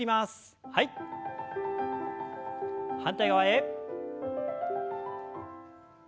反対側へ。